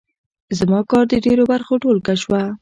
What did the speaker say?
زما کار د ډېرو برخو ټولګه شوه.